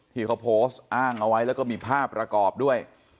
ที่เขาโพสต์อ้างเอาไว้แล้วก็มีภาพประกอบด้วย